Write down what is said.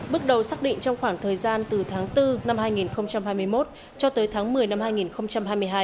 bước đầu xác định trong khoảng thời gian từ tháng bốn năm hai nghìn hai mươi một cho tới tháng một mươi năm hai nghìn hai mươi hai